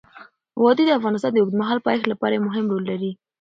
وادي د افغانستان د اوږدمهاله پایښت لپاره مهم رول لري.